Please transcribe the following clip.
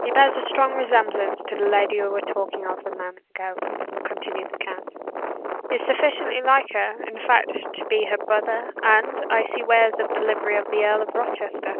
"He bears a strong resemblance to the lady we were talking of a moment ago," continued the count "is sufficiently like her, in fact, to be her brother; and, I see wears the livery of the Earl of Rochester."